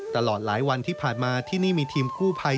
ตลอดหลายวันที่ผ่านมาที่นี่มีทีมกู้ภัย